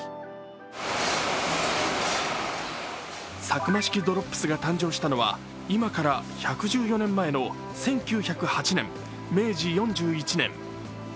サクマ式ドロップスが誕生したのは今から１１４年前の１９０８年、明治４１年。